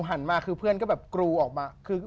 หันมาคือเพื่อนก็แบบกรูออกมา